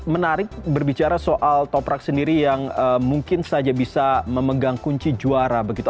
menarik berbicara soal toprak sendiri yang mungkin saja bisa memegang kunci juara begitu